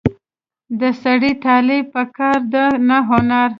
د سړي طالع په کار ده نه هنر.